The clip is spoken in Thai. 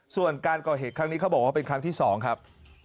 ส่วนการก่อเหตุครั้งนี้เขาบอกว่าเป็นครั้งที่๒ครับ